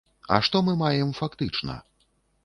А што мы маем фактычна?